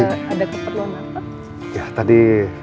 ada keperluan apa